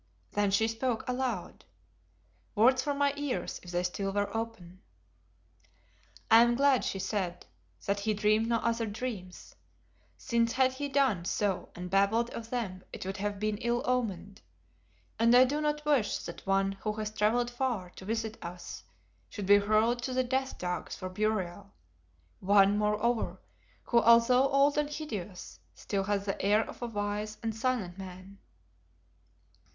Then she spoke aloud, words for my ears if they still were open. "I am glad," she said, "that he dreamed no other dreams, since had he done so and babbled of them it would have been ill omened, and I do not wish that one who has travelled far to visit us should be hurled to the death dogs for burial; one, moreover, who although old and hideous, still has the air of a wise and silent man."